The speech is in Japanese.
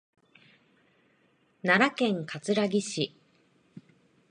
奈良県葛城市